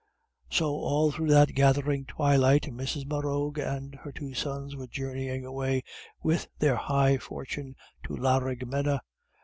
So all through that gathering twilight Mrs. Morrough and her two sons were journeying away with their high fortune to Laraghmena.